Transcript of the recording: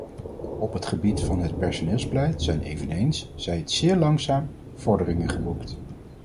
Op het gebied van het personeelsbeleid zijn eveneens, zij het zeer langzaam, vorderingen geboekt.